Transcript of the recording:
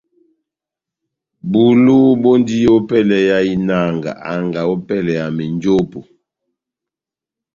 Bulu bɔndi ópɛlɛ ya inanga anga ópɛlɛ ya menjopo.